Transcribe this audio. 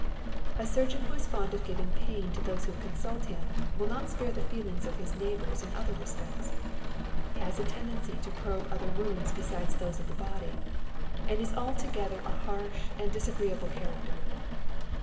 A surgeon who is fond of giving pain to those who consult him will not spare the feelings of his neighbours in other respects ; has a tendency to probe other wounds besides those of the body ; and is altogether a harsh and disagreeable cha racter.